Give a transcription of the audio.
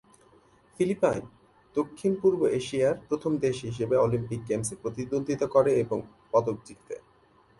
Philippine দক্ষিণ-পূর্ব এশিয়ার প্রথম দেশ হিসাবে অলিম্পিক গেমসে প্রতিদ্বন্দ্বিতা করে এবং পদক জিতে।